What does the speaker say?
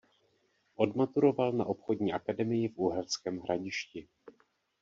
Odmaturoval na Obchodní akademii v Uherském Hradišti.